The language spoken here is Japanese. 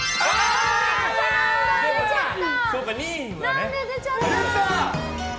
残念、出ちゃった！